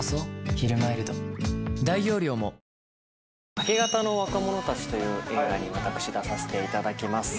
『明け方の若者たち』という映画に私出させていただきます。